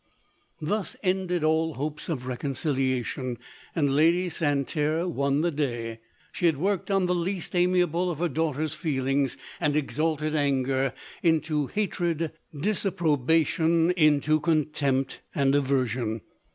Thus ended all hope of reconciliation, and Lady Santerre won the day. She had worked on the least amiable of her daughter's feelings, and exalted anger into hatred, disapprobation into contempt and aversion.